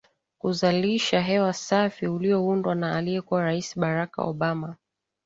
kuzalisha hewa safi ulioundwa na aliyekuwa Rais Barack Obama